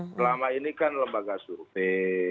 selama ini kan lembaga survei